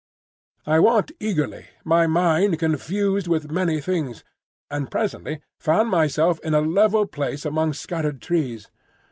I walked eagerly, my mind confused with many things, and presently found myself in a level place among scattered trees.